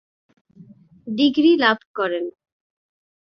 Degree লাভ করেন।